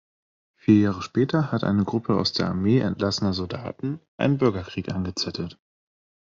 Vier Jahre später hat eine Gruppe aus der Armee entlassener Soldaten einen Bürgerkrieg angezettelt.